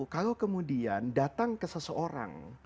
kalau kemudian datang ke seseorang